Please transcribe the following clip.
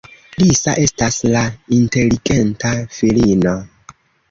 Lisa estas la inteligenta filino.